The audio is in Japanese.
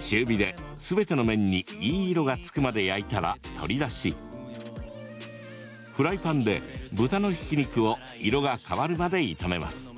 中火で、すべての面にいい色がつくまで焼いたら取り出しフライパンで、豚のひき肉を色が変わるまで炒めます。